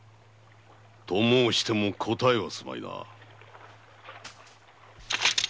と申しても答えはすまいな。